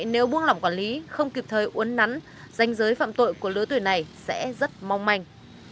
nếu buông lỏng quản lý không kịp thời uốn nắn danh giới phạm tội của lứa tuổi này sẽ rất mong manh